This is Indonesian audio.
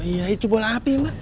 iya itu bola api mbak